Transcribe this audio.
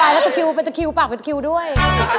โอ้โฮคุณมาตายแล้วจะคิวผักไปจะคิวด้วย